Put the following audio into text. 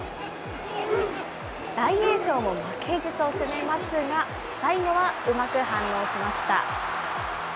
大栄翔も負けじと攻めますが、最後はうまく反応しました。